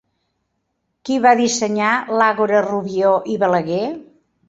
Qui va dissenyar l'Àgora Rubió i Balaguer?